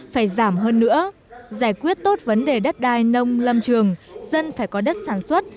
phải giảm hơn nữa giải quyết tốt vấn đề đất đai nông lâm trường dân phải có đất sản xuất